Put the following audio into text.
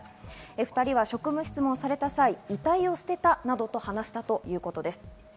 ２人は職務質問された際、遺体を捨てたなどと話したということです。